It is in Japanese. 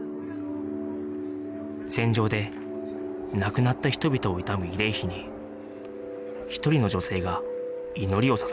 戦場で亡くなった人々を悼む慰霊碑に一人の女性が祈りを捧げていました